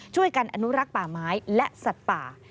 ช่วยกันอนุรักษ์ป่าไม้และสัตว์ป่า